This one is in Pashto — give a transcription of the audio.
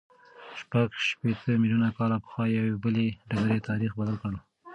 شپږ شپېته میلیونه کاله پخوا یوې بلې ډبرې تاریخ بدل کړ.